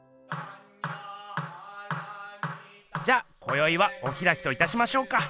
じゃこよいはおひらきといたしましょうか？